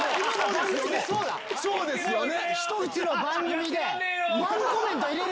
そうですよね！